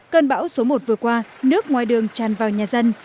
cơn bão số một vừa qua nước ngoài đường tràn vào nhà dân